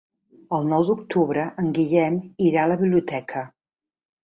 El nou d'octubre en Guillem irà a la biblioteca.